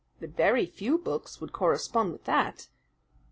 "But very few books would correspond with that."